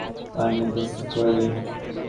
পানীয় প্রস্তুত করা যাক!